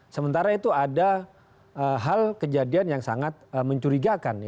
sementara itu ada hal kejadian yang sangat mencurigakan